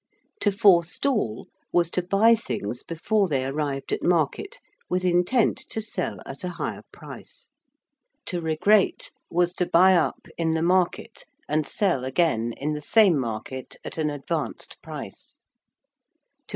To forestall was to buy things before they arrived at market with intent to sell at a higher price. To regrate was to buy up in the market and sell again in the same market at an advanced price.